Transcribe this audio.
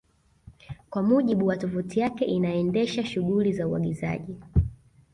Kwa mujibu wa tovuti yake inaendesha shughuli za uagizaji